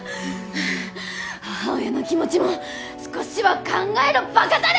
ハァ母親の気持ちも少しは考えろバカタレ！